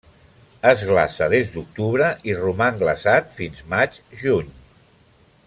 Es glaça des d'octubre i roman glaçat fins maig juny.